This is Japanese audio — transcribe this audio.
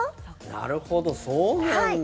なるほど、そうなんだ。